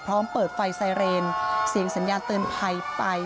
เปิดไฟไซเรนเสียงสัญญาณเตือนภัยไป